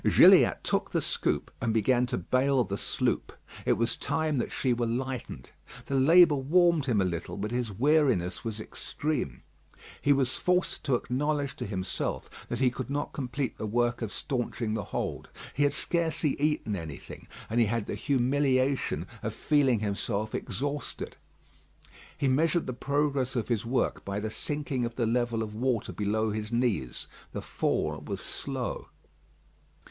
Gilliatt took the scoop and began to bale the sloop. It was time that she were lightened. The labour warmed him a little, but his weariness was extreme. He was forced to acknowledge to himself that he could not complete the work of staunching the hold. He had scarcely eaten anything, and he had the humiliation of feeling himself exhausted. He measured the progress of his work by the sinking of the level of water below his knees. The fall was slow.